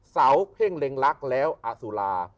เสาเพ่งเล็งลักษณ์แล้วอสุรา